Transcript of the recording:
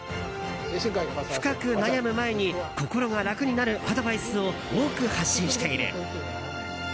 深く悩む前に心が楽になるアドバイスを多く発信している。